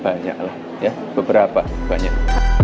ya banyak lah beberapa banyak